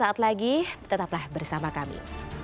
saat lagi tetaplah bersama kami